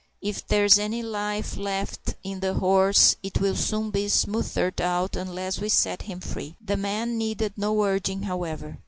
If there's any life left in the horse, it'll soon be smothered out unless we set him free." The men needed no urging, however.